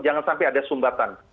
jangan sampai ada sumbatan